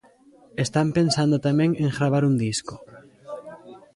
Están pensando tamén en gravar un disco.